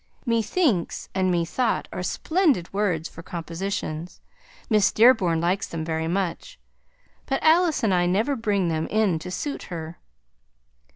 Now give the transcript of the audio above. Methinks and methought are splendid words for compositions. Miss Dearborn likes them very much, but Alice and I never bring them in to suit her.